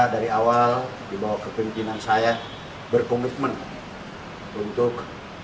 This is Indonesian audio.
dari awal dibawa ke pimpinan saya berkomitmen untuk